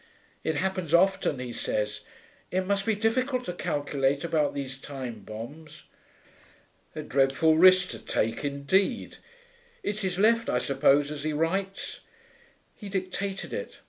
It happens often, he says. It must be difficult to calculate about these time bombs.' 'A dreadful risk to take, indeed! It's his left, I suppose, as he writes?' 'He dictated it.